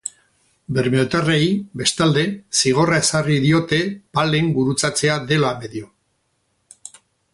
Bermeotarrei, bestalde, zigorra ezarri diote palen gurutzatzea dela medio.